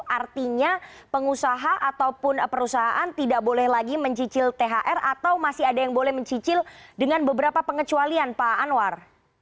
artinya pengusaha ataupun perusahaan tidak boleh lagi mencicil thr atau masih ada yang boleh mencicil dengan beberapa pengecualian pak anwar